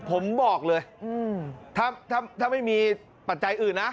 ผมบอกเลยถ้าไม่มีปัจจัยอื่นนะ